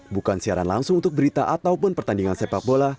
bukan siaran langsung untuk berita ataupun pertandingan sepak bola